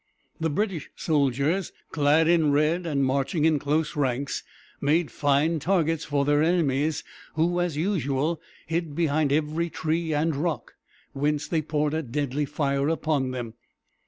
The British soldiers, clad in red and marching in close ranks, made fine targets for their enemies, who, as usual, hid behind every tree and rock, whence they poured a deadly fire upon them.